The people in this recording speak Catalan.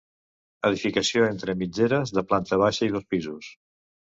Edificació entre mitgeres, de planta baixa i dos pisos.